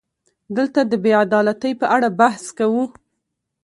دلته د بې عدالتۍ په اړه بحث کوو.